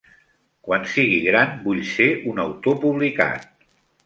Quan sigui gran, vull ser un autor publicat.